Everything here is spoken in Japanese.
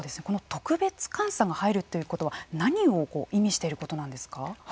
特別監査が入るということは何を意味していることなんですか。